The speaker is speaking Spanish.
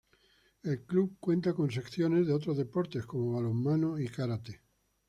El club cuenta con secciones en otros deportes como balonmano y karate.